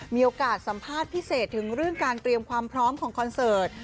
มีโอกาสสัมภาษณ์พิเศษถึงเรื่องการเตรียมความพร้อมของคอนเสิร์ต